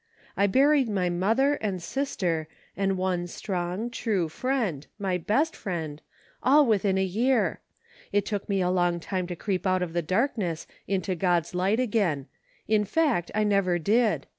I buried my mother, and sister, and one strong, true friend, — my best friend, — all within a year ! It took me a long time to creep out of the darkness into God's light again ; in fact, I never did.